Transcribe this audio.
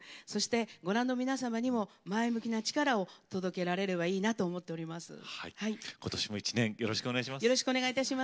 そして、ご覧の皆様にも前向きな力を届けられればいいなと思っております。